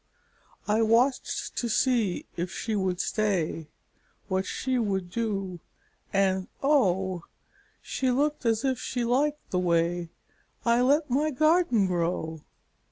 I watched to see if she would stay, What she would do and oh! She looked as if she liked the way I let my garden grow!